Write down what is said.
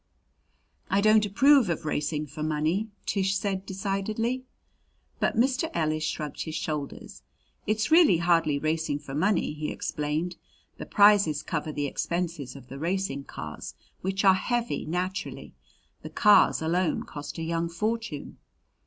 "I don't approve of racing for money," Tish said decidedly. But Mr. Ellis shrugged his shoulders. "It's really hardly racing for money," he explained. "The prizes cover the expenses of the racing cars, which are heavy naturally. The cars alone cost a young fortune."